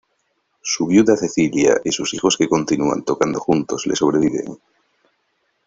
Su viuda Cecilia y sus hijos que continúan tocando juntos le sobreviven.